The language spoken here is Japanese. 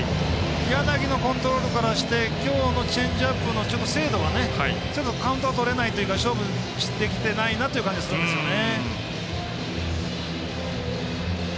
柳のコントロールからして今日のチェンジアップの精度がちょっとカウントが取れないというか勝負できてない感じがするんですね。